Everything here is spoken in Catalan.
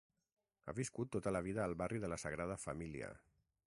Ha viscut tota la vida al barri de la Sagrada Família.